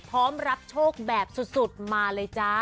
พร้อมรับโชคแบบสุดมาเลยจ้า